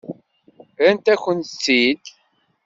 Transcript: Rrant-akent-tt-id?